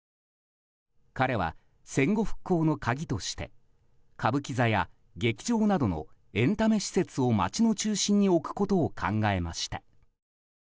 彼は戦後復興の鍵として歌舞伎座や劇場などのエンタメ施設を、街の中心に置くことを考えました。